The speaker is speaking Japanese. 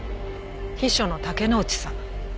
秘書の竹之内さん。